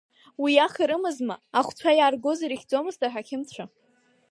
Уи иаха рымазма, ахәцәа иааргоз ирыхьӡомызт аҳақьымцәа.